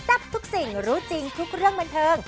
ทับทุกสิ่งรู้จริงทุกเรื่องบันเทิง